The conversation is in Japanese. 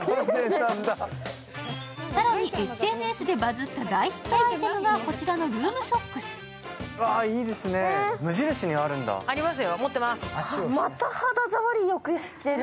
さらにＳＮＳでバズった大ヒットアイテムがこちらのルームソックス。ありますよ。